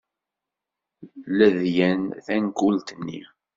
Ledyen tankult-nni.